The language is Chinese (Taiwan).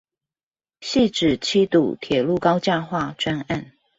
汐止七堵鐵路高架化專案